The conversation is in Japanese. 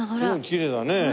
きれいだね。